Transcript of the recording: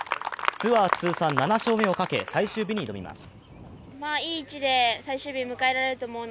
ツアー通算７勝目をかけ最終日に挑みます。